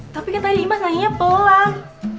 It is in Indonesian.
tapi kan tadi imas nanginya pelang